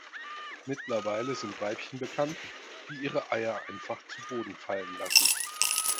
Mittlerweile sind Weibchen bekannt, die ihre Eier einfach zu Boden fallen lassen.